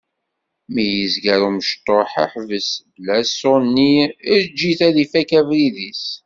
Mi yezger umecṭuḥ ḥbes, bla aṣuni, eǧǧ-it ad ifak abrid-is.